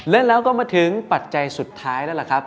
แล้วก็มาถึงปัจจัยสุดท้ายแล้วล่ะครับ